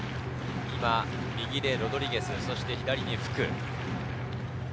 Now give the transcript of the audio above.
今右でロドリゲス、左で福。